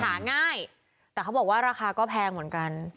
หาง่ายแต่เขาบอกว่าราคาก็แพงเหมือนกัน